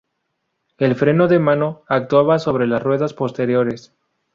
El freno de mano actuaba sobre las ruedas posteriores.